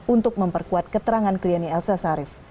untuk memperkuat keterangan kliennya elsa sharif